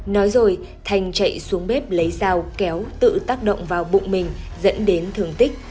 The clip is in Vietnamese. nói rồi thành chạy xuống bếp lấy rau kéo tự tác động vào bụng mình dẫn đến thường tích